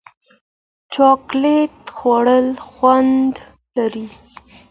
چاکلېټ خوږ خوند لري.